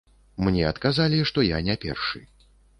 Мне адказалі, што я не першы.